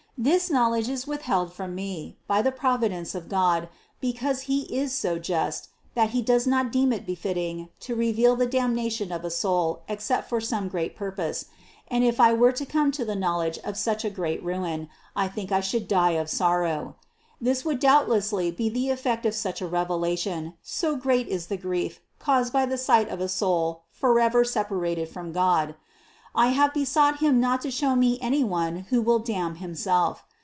This knowledge is withheld from me by the providence of God, because He is so just, that He does not deem it befitting to reveal the damnation of a soul except for some great purpose ; and if I were to come to the knowl edge of such a great ruin, I think I should die of sorrow. This would doubtlessly be the effect of such a revelation, so great is the grief caused by the sight of a soul forever separated from God. I have besought Him not to show me any one who will damn himself.